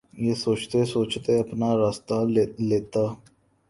یہ سوچتے سوچتے اپنا راستہ لیتا